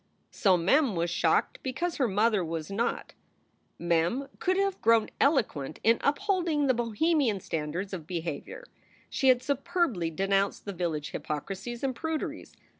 So Mem was shocked because her mother was not. Mem could have grown eloquent in upholding the bohemian standards of behavior; she had superbly denounced the village hypocrisies and pruderies.